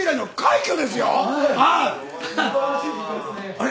あれ？